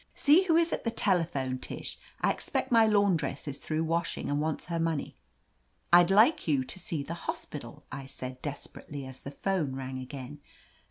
"See who is at the telephone, Tish. I expect my laundress is through wash ing and wants her money." "I'd like you to see the hospital," I said des perately as the 'phone rang again.